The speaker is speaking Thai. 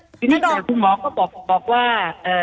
ทีนี้คุณหมอก็บอกว่า